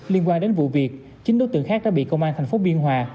liên quan đến vụ việc chín đối tượng khác đã bị công an thành phố biên hòa